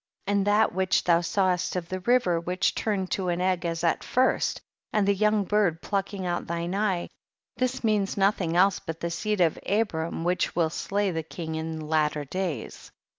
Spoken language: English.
55. And that ' which thou sawest of the river which turned to an egg as at first, and the young bird pluck ing out thine eye, this means nothing else but the seed of Abram which will slay the king in latter days, 56.